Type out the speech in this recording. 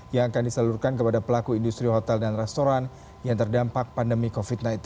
yang akan disalurkan kepada pelaku industri hotel dan restoran yang terdampak pandemi covid sembilan belas